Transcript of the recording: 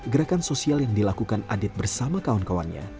gerakan sosial yang dilakukan adit bersama kawan kawannya